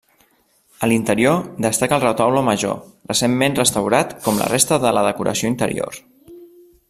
A l'interior destaca el retaule major, recentment restaurat com la resta de la decoració interior.